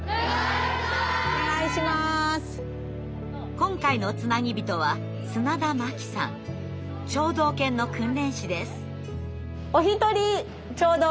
今回のつなぎびとは聴導犬の訓練士です。